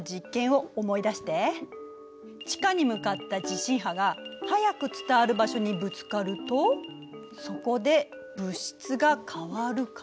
地下に向かった地震波が速く伝わる場所にぶつかるとそこで物質が変わるから。